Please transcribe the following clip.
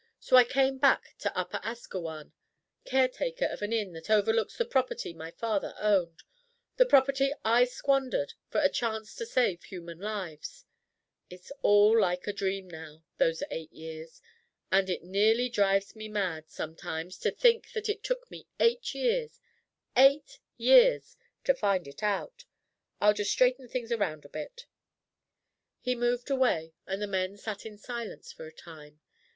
So I came back to Upper Asquewan caretaker of an inn that overlooks the property my father owned the property I squandered for a chance to save human lives. It's all like a dream now those eight years. And it nearly drives me mad, sometimes, to think that it took me eight years eight years to find it out. I'll just straighten things around a bit." He moved away, and the men sat in silence for a time.